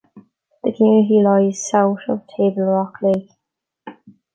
The community lies south of Table Rock Lake.